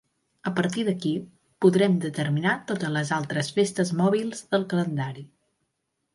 A partir d'aquí, podrem determinar totes les altres festes mòbils del calendari.